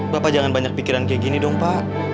bapak jangan banyak pikiran kayak gini dong pak